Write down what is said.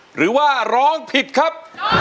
หรือว่าร้องผิดครับ